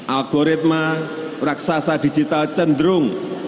algoritma raksasa digital cenderung